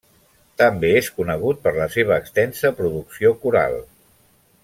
També és conegut per la seva extensa producció coral.